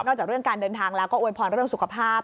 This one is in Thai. จากเรื่องการเดินทางแล้วก็อวยพรเรื่องสุขภาพ